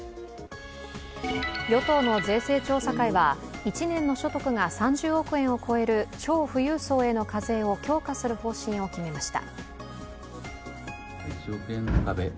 与党の税制調査会は１年の所得が３０億円を超える超富裕層への課税を強化する方針を決めました。